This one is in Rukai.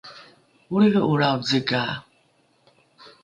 olriho’olrao zega